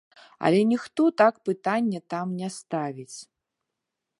Але ніхто так пытанне там не ставіць.